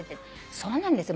そうなんですよ。